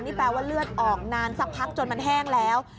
นี่แปลว่าเลือดออกนานสักพักจนมันแห้งแล้ว